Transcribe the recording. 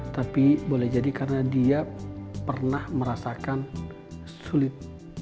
tapi boleh jadi karena dia pernah merasakan sulit